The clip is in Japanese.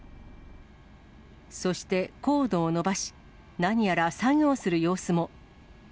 そして、コードを伸ばし、何やら作業する様子も。